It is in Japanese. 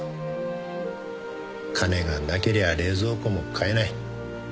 金がなけりゃ冷蔵庫も買えない。